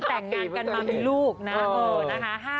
แต่งงานกันมามีลูกนะนะคะ